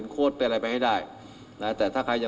นายยกรัฐมนตรีพบกับทัพนักกีฬาที่กลับมาจากโอลิมปิก๒๐๑๖